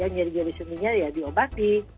nyeri nyeri seninya ya diobati